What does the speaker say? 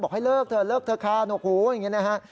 ให้เลิกเถอะเลิกเถอะค่ะหนกหูอย่างนี้นะฮะ